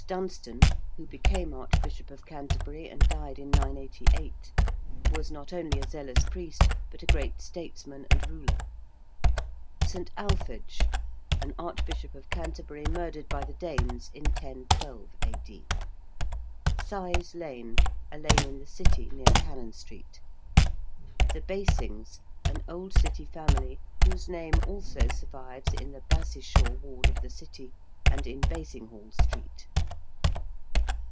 Dunstan~, who became Archbishop of Canterbury and died in 988, was not only a zealous priest but a great statesman and ruler. ~St. Alphege~: an Archbishop of Canterbury murdered by the Danes in 1012 A.D. ~Sise Lane~: a lane in the City, near Cannon Street. ~The Basings~: an old City family whose name also survives in the 'Bassishaw' ward of the City, and in Basinghall Street.